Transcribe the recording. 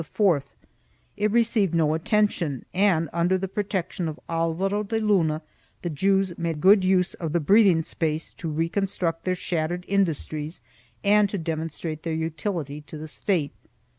2 It received no attention and, under the protection of Alvaro de Luna, the Jews made good use of the breathing space to reconstruct their shattered industries and to demonstrate their utility to the State.